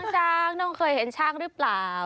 ช้างน้องเคยเห็นช้างหรือเปล่า